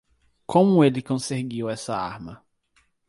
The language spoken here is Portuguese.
Como ele conseguiu essa arma?